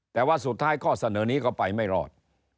แต่ว่าสุดท้ายข้อเสนอนี้ก็ไปไม่รอด